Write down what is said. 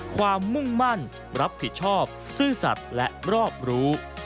มุ่งมั่นรับผิดชอบซื่อสัตว์และรอบรู้